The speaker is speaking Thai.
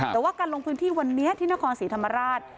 แต่ว่าการลงพื้นที่วันนี้ที่นครศรีธรรมราช